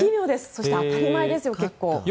そして当たり前ですよ、結構。